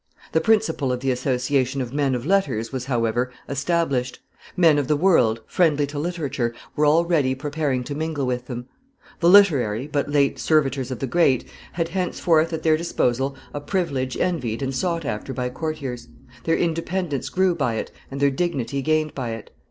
The principle of the association of men of letters was, however, established: men of the world, friendly to literature, were already preparing to mingle with them; the literary, but lately servitors of the great, had henceforth at their disposal a privilege envied and sought after by courtiers; their independence grew by it and their dignity gained by it.